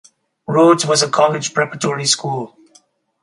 Rhodes was a college preparatory school.